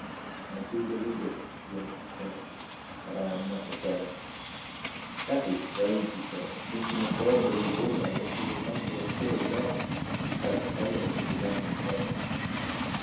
"I do believe it," she answered quietly, "but I am not afraid." "That is strange," he said, "since you must then believe also that you will come to a cruel death, which has terrors for the young and fair."